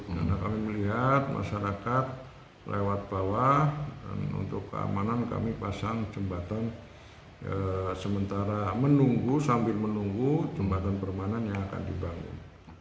karena kami melihat masyarakat lewat bawah dan untuk keamanan kami pasang jembatan sementara menunggu sambil menunggu jembatan permanen yang akan dibangun